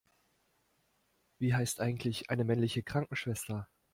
Wie heißt eigentlich eine männliche Krankenschwester?